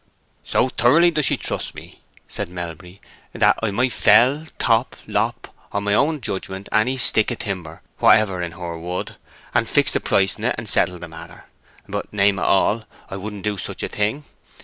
"So thoroughly does she trust me," said Melbury, "that I might fell, top, or lop, on my own judgment, any stick o' timber whatever in her wood, and fix the price o't, and settle the matter. But, name it all! I wouldn't do such a thing.